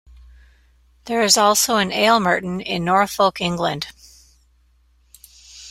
There is also an Aylmerton in Norfolk, England.